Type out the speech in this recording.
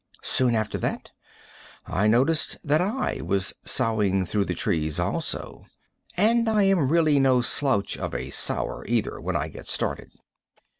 Soon after that, I noticed that I was soughing through the trees also, and I am really no slouch of a sougher, either, when I get started.